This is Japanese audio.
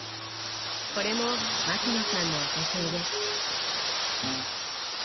これも牧野さんのお手製です。